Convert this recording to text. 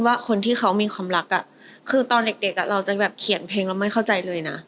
ว่าคนที่เขามีความรักคือตอนเด็กเราจะแบบเขียนเพลงแล้วไม่เข้าใจเลยนะ